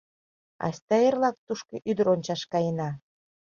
— Айста эрлак тушко ӱдыр ончаш каена!